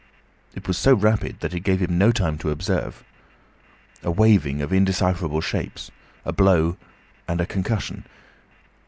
It was so rapid that it gave him no time to observe. A waving of indecipherable shapes, a blow, and a concussion.